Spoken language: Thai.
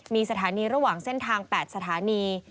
มีสถานีระหว่างเส้นทาง๘สถานี